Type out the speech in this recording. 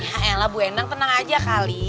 ya elah bu endang tenang aja kali